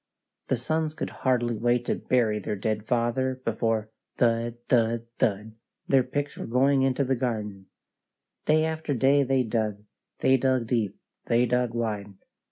The sons could hardly wait to bury their dead father before, thud, thud, thud, their picks were going in the garden. Day after day they dug; they dug deep; they dug wide.